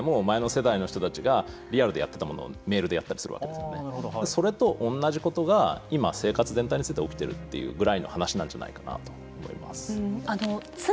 僕たちの世代でも前の世代の人たちがリアルでやっていたものをメールであったりするわけですねそれと同じことが今、生活全体について起きているぐらいの話なんじゃないかなと思います。